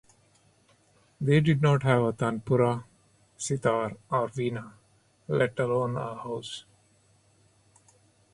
They did not have a tanpura, sitar, or veena, let alone a house.